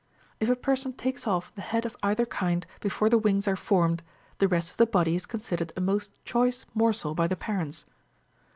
If a per son takes off the head of either kind before the wings are formed, the rest of the body is considered a most choice morsel by the parents.